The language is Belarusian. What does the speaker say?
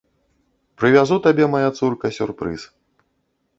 Прывязу табе, мая цурка, сюрпрыз.